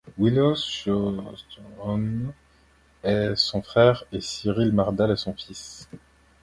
Wilho Sjöström est son frère et Cyril Mardall est son fils.